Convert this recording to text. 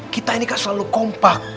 kita ini kan selalu kompak